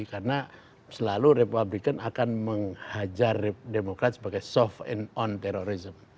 karena selalu republikan akan menghajar demokrat sebagai soft and on terorisme